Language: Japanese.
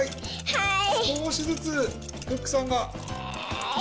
はい！